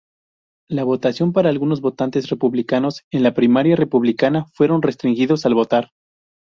La votación para algunos votantes republicanos en la primaria republicana fueron restringidos al votar.